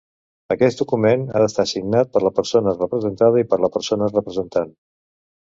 Aquest document ha d'estar signat per la persona representada i per la persona representant.